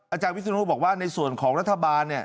อาจารย์วิศนุบอกว่าในส่วนของรัฐบาลเนี่ย